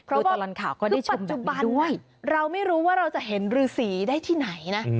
เพราะว่าปัจจุบันเราไม่รู้ว่าเราจะเห็นฤษีได้ที่ไหนนะ